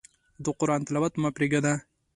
د قرآن تلاوت مه پرېږده.